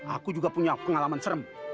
aku juga punya pengalaman serem